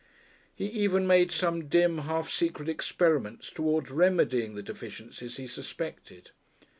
He even made some dim half secret experiments towards remedying the deficiencies he suspected.